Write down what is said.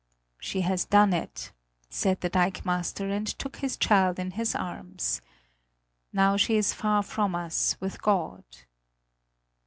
"She has done it!" said the dikemaster, and took his child in his arms. "Now she is far from us with God."